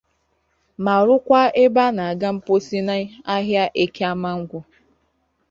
ma rụkwa ebe a na-ega mposi n'ahịa Eke Amangwu